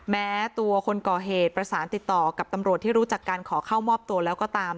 แม้ตัวคนก่อเหตุประสานติดต่อกับตำรวจที่รู้จักการขอเข้ามอบตัวแล้วก็ตาม